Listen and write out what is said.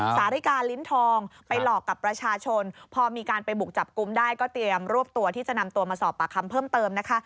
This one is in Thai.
สาริกาลิ้นทองไปหลอกกับประชาชนพอมีการไปบุกจับกลุ่มได้ก็เตรียมรวบตัวที่จะนำตัวมาสอบปากคำเพิ่มเติมนะคะ